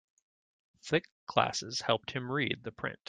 Thick glasses helped him read the print.